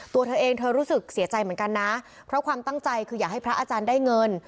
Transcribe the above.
ตัวเธอเองเธอรู้สึกเสียใจเหมือนกันนะเพราะความตั้งใจคืออยากให้พระอาจารย์ได้เงิน